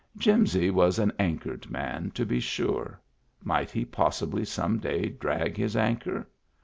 Jimsy was an anchored man, to be sure : might he possibly some day drag his anchor